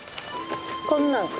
こんなん。